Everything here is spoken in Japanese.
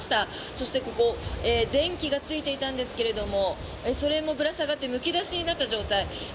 そして、ここ電気がついていたんですがそれもぶら下がってむき出しになった状態。